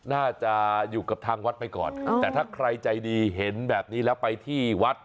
น่าจะอยู่กับทางวัดไปก่อนแต่ถ้าใครใจดีเห็นแบบนี้แล้วไปที่วัด